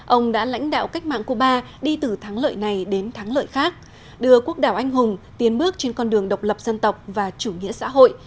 ông đã lãnh đạo cách mạng cuba đi từ thắng lợi này đến thắng lợi khác đưa quốc đảo anh hùng tiến bước trên con đường độc lập dân tộc và chủ nghĩa xã hội